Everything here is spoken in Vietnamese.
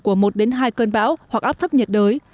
của một đến hai cơn bão hoặc áp thấp nhiệt đới